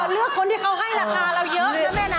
เลือกคนที่เขาให้ราคาเราเยอะนะแม่นะ